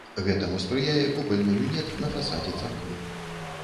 Гэтаму спрыяе купальны люнет на фасадзе царквы.